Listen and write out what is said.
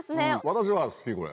私は好きこれ。